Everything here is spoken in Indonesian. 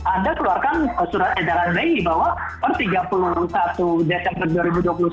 anda keluarkan surat edaran bi bahwa per tiga puluh satu desember dua ribu dua puluh satu